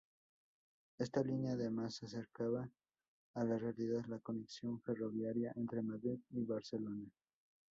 Esta línea, además, acercaba a la realidad, la conexión ferroviaria entre Madrid y Barcelona.